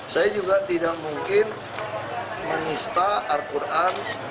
saya juga tidak mungkin menista al quran